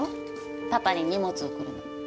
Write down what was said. パパに荷物送るの。